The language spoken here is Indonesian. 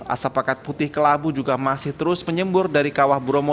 asap paket putih kelabu juga masih terus menyembur dari kawah bromo